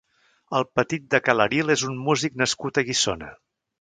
El Petit de Cal Eril és un músic nascut a Guissona.